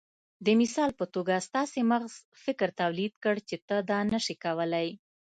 د مثال په توګه ستاسې مغز فکر توليد کړ چې ته دا نشې کولای.